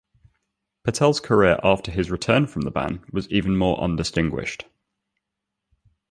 Patel's career after his return from the ban was even more undistinguished.